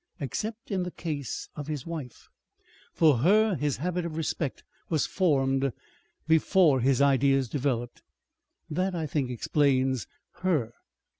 Except in the case of his wife.... "For her his habit of respect was formed before his ideas developed.... "That I think explains HER....